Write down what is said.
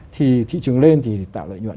thì thị trường lên thì tạo lợi nhuận